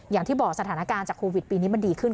อย่างที่บอกสถานการณ์จากโควิดปีนี้มันดีขึ้น